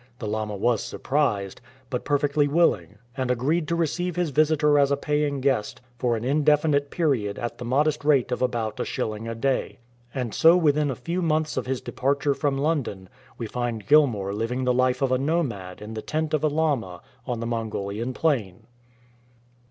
The lama was surprised, but perfectly willing, and agreed to receive his visitor as a paying guest for an indefinite period at the modest rate of about a shilling a day. And so within a few months of his departure from London we find Gilmour living the life of a nomad in the tent of a lama on the Mongolian plain.